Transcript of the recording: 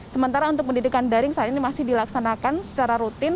sementara untuk pendidikan daring saat ini masih dilaksanakan secara rutin